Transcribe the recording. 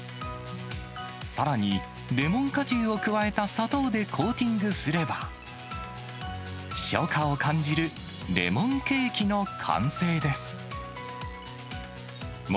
さらに、レモン果汁を加えた砂糖でコーティングすれば、初夏を感じるレモンケーキの完成です。